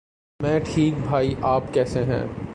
میں ٹھیک بھائی آپ کیسے ہیں؟